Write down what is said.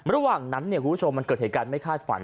ระหว่างนั้นคุณผู้ชมมันเกิดเหตุการณ์ไม่คาดฝัน